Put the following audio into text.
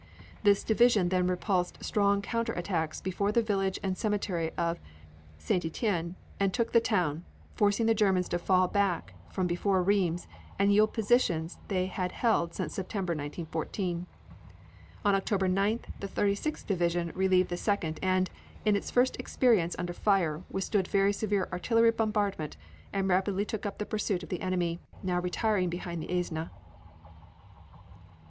This division then repulsed strong counter attacks before the village and cemetery of Ste. Etienne and took the town, forcing the Germans to fall back from before Rheims and yield positions they had held since September, 1914. On October 9th the Thirty sixth Division relieved the Second and, in its first experience under fire, withstood very severe artillery bombardment and rapidly took up the pursuit of the enemy, now retiring behind the Aisne.